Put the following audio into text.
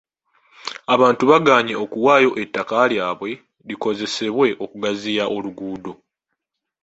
Abantu baagaanye okuwaayo ettaka lyabwe likozesebwe okugaziya oluguudo.